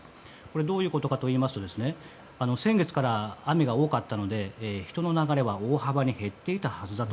どういうことかといいますと先月から雨が多かったので人の流れは大幅に減っていたはずだと。